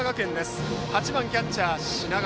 続いて８番キャッチャー、品川。